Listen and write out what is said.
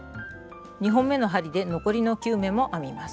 ２本めの針で残りの９目も編みます。